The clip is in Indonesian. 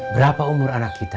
berapa umur anak kita